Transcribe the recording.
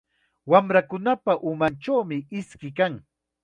Wamrakunapa umanchawmi iski kan.